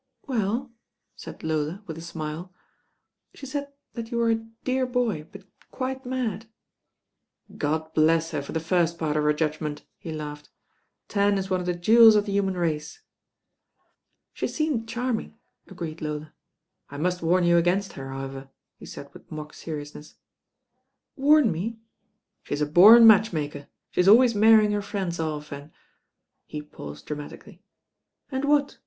"Well," said Lola, with a smile, "she said that you were 'a dear Boy, but quite mad.' " THE THIRTY NINE ARTICLES 179 "God bless her for the first part of her judgment," he laughed; "Tan is one of the jewels of the human race." "She seemed charming," agreed Lola. "I must warn you against her, however," he said with mock seriousness. "Warn me?" "She's a born match maker. She's always marry ing her friends off and " he paused dramatically. "And what?"